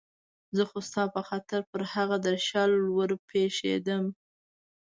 زه خو ستا په خاطر پر هغه درشل ور پېښېدم.